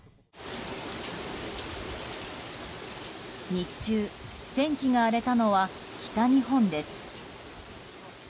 日中、天気が荒れたのは北日本です。